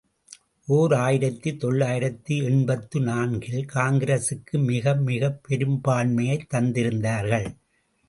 ஓர் ஆயிரத்து தொள்ளாயிரத்து எண்பத்து நான்கு இல் காங்கிரசுக்கு மிகமிகப் பெரும்பான்மையைத் தந்திருந்தார்கள்.